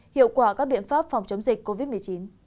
hiệu quả các biện pháp phòng chống dịch covid một mươi chín